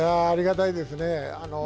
ありがたいですね。